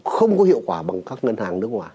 không có hiệu quả bằng các ngân hàng nước ngoài